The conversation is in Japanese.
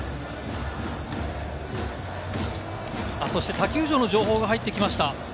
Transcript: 他球場の情報が入ってきました。